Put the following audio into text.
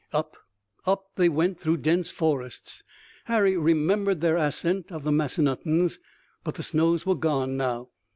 Up, up, they went through dense forests. Harry remembered their ascent of the Massanuttons, but the snows were gone now.